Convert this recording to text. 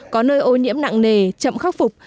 có nơi ô nhiễm nặng nề chậm khắc phục